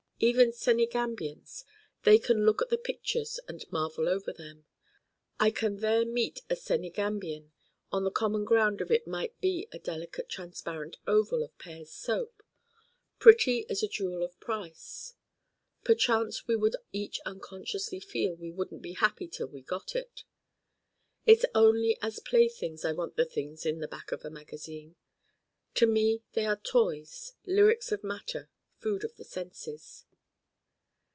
Even Senegambians: they can look at the pictures and marvel over them. I can there meet a Senegambian on the common ground of it might be a delicate transparent oval of Pears' Soap, pretty as a jewel of price: perchance we would each unconsciously feel we wouldn't be happy till we got it. It's only as playthings I want the Things in the Back of a magazine. To me they are toys, lyrics of matter, food of the senses.